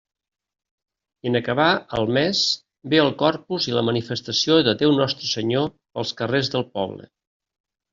I en acabar el mes ve el Corpus i la manifestació de Déu Nostre Senyor pels carrers del poble.